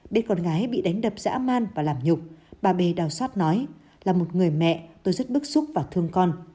để con gái bị đánh đập dã man và làm nhục bà b đào xót nói là một người mẹ tôi rất bức xúc và thương con